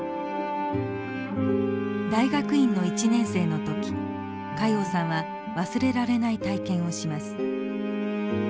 大学院の１年生の時加用さんは忘れられない体験をします。